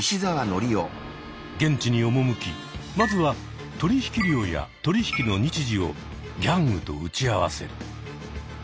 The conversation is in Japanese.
現地に赴きまずは取引量や取引の日時をギャングと打ち合わせる。